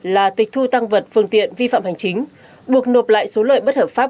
là tịch thu tăng vật phương tiện vi phạm hành chính buộc nộp lại số lợi bất hợp pháp